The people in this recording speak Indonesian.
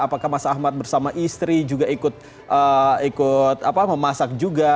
apakah mas ahmad bersama istri juga ikut memasak juga